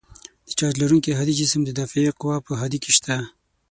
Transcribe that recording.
د چارج لرونکي هادي جسم د دافعې قوه په هادې کې شته.